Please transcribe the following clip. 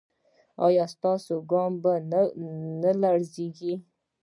ایا ستاسو ګام به نه لړزیږي؟